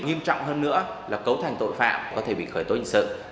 nghiêm trọng hơn nữa là cấu thành tội phạm có thể bị khởi tố hình sự